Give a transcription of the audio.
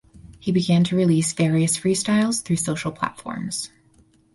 He began to release various freestyles through social platforms.